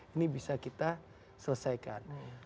ini bisa kita selesaikan